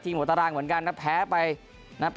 หัวตารางเหมือนกันนะแพ้ไปนะครับ